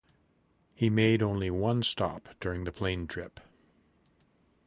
He made only one stop during the plane trip.